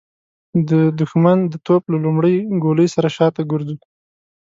د د ښمن د توپ له لومړۍ ګولۍ سره شاته ګرځو.